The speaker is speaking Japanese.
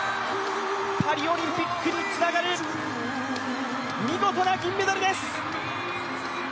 パリオリンピックにつながる見事な銀メダルです。